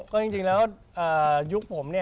ก็จริงแล้วยุคผมเนี่ย